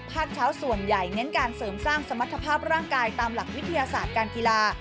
ภาคเช้าส่วนใหญ่เน้นการเสริมสร้างสมรรถภาพร่างกายตามหลักวิทยาศาสตร์การกีฬา